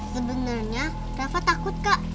sebenarnya rafa takut kak